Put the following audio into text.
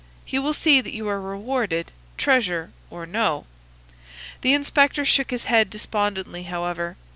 "He will see that you are rewarded, treasure or no." The inspector shook his head despondently, however.